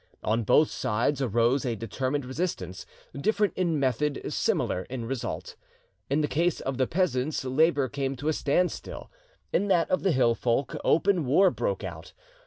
On both sides arose a determined resistance, different in method, similar in result. In the case of the peasants labour came to a stand still; in that of the hill folk open war broke out.